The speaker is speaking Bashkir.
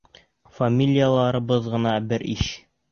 Фамилияларыбыҙ ғына бер иш.